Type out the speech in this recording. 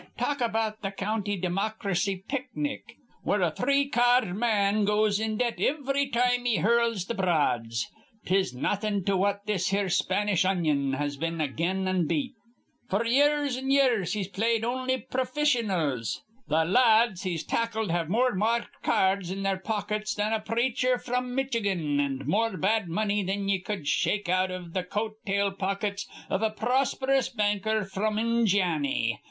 Talk about th' County Dimocracy picnic, where a three ca ard man goes in debt ivry time he hurls th' broads, 'tis nawthin' to what this here Spanish onion has been again an' beat. F'r years an' years he's played on'y profissionals. Th' la ads he's tackled have more marked ca ards in their pockets thin a preacher fr'm Mitchigan an' more bad money thin ye cud shake out iv th' coat tail pockets iv a prosp'rous banker fr'm Injianny.